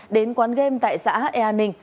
đến quán game tại xã e an ninh